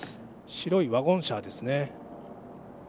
白いワゴン車ですね。